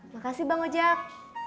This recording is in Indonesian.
makasih mbak mojak